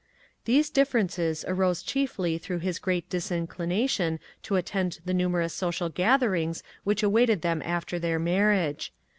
These differences arose chiefly through his great disinclination to attend the numerous social gatherings which awaited them after their marriage.